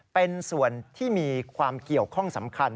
เป็นส่วนที่มีความเกี่ยวข้องสำคัญ